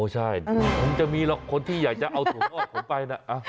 อ๋อใช่นั้นจะมีหรอกคนที่อยากจะเอาถั่วงอกผมไปด้วย